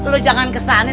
lo jangan kesana